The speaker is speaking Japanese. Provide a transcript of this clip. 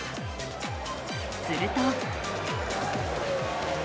すると。